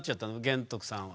玄徳さんは。